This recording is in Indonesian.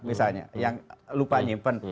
misalnya yang lupa nyimpen